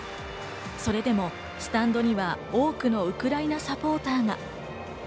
それでもスタンドには多くのウクライナサポーターが。